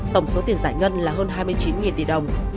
tổng số tiền giải ngân là hơn hai mươi chín tỷ đồng